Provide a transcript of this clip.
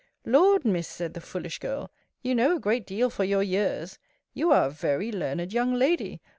Lord, Miss, said the foolish girl, you know a great deal for your years. You are a very learned young lady!